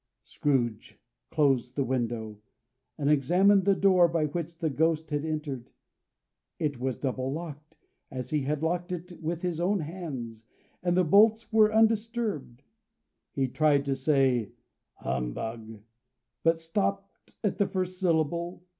Scrooge closed the window, and examined the door by which the Ghost had entered. It was double locked, as he had locked it with his own hands, and the bolts were undisturbed. He tried to say "Humbug!" but stopped at the first syllable.